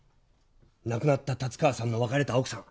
亡くなった達川さんの別れた奥さん。